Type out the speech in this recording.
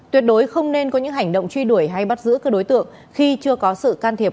tuyệt đối không nên có những hành động truy đuổi hay bắt giữ các đối tượng khi chưa có sự can thiệp